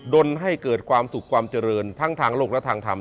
นให้เกิดความสุขความเจริญทั้งทางโลกและทางธรรม